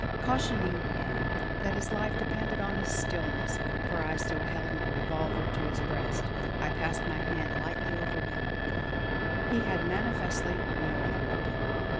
Cautioning him that his life depended on his stillness, for I still held my revolver to his breast, I passed my hand lightly over him; he had manifestly no other weapon.